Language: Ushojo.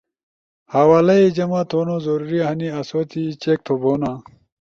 حوالئی جمع تھونو ضروری ہنی آسو تی چیک تھوبونا